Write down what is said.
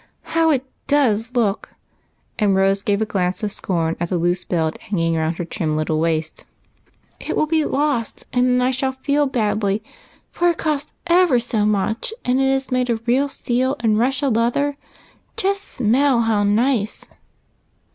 "How it does look!" and Rose gave a glance of scorn at the loose belt hanging round her trim little waist. " It will be lost, and then I shall feel badly. 50 EIGHT COUSINS. for it cost ever so mucli, and is real steel and Russia leather. Just smell how nice."